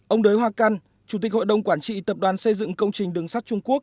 ông đới hoa căn chủ tịch hội đồng quản trị tập đoàn xây dựng công trình đường sắt trung quốc